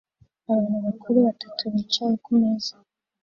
Abantu bakuru batatu bicaye kumeza